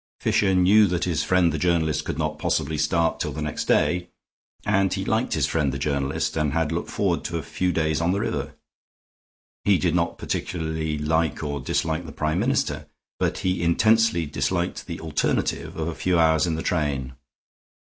Fisher knew that his friend the journalist could not possibly start till the next day, and he liked his friend the journalist, and had looked forward to a few days on the river. He did not particularly like or dislike the Prime Minister, but he intensely disliked the alternative of a few hours in the train.